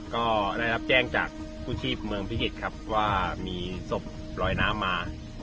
ก็ได้รับแจ้งจากกู้ชีพเมืองพิจิตรครับว่ามีศพลอยน้ำมา